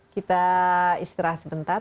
kita istirahat sebentar